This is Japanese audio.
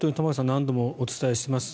何度もお伝えしています